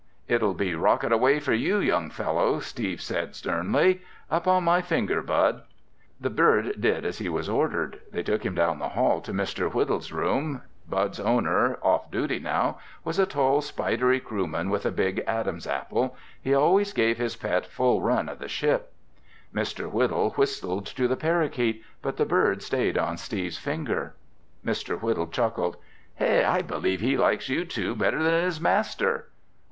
"It'll be 'rocket away' for you, young fellow!" Steve said sternly. "Up on my finger, Bud!" The bird did as he was ordered. They took him down the hall to Mr. Whittle's room. Bud's owner, off duty now, was a tall, spidery crewman with a big Adam's apple. He always gave his pet full run of the ship. Mr. Whittle whistled to the parakeet, but the bird stayed on Steve's finger. Mr. Whittle chuckled. "Hey, I believe he likes you two better than his master!"